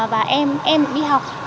và em em cũng đi học